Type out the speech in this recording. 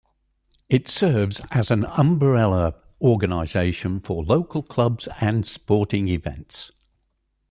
It serves as an umbrella organization for local clubs and sporting events.